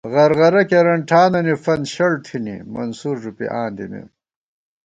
غرغرہ کېرن ٹھانَنی فنت شَڑ تھنی، منصور ݫُوپی آں دِمېم